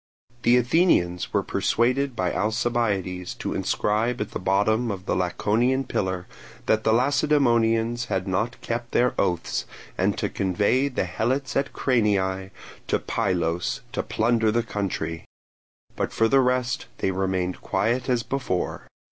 The Athenians were persuaded by Alcibiades to inscribe at the bottom of the Laconian pillar that the Lacedaemonians had not kept their oaths, and to convey the Helots at Cranii to Pylos to plunder the country; but for the rest they remained quiet as before.